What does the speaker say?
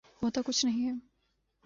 ہوتا کچھ نہیں ہے۔